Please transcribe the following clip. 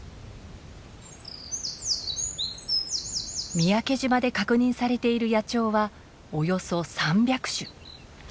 三宅島で確認されている野鳥はおよそ３００種。